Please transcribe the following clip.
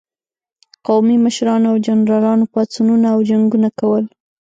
قومي مشرانو او جنرالانو پاڅونونه او جنګونه کول.